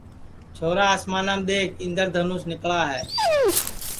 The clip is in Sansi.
چھورا آسمانام دؔیکھ اِندر دھنوس نِکݪا ہے